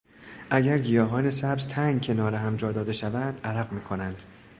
اگر گیاهان سبز تنگ کنار هم جا داده شوند عرق میکنند.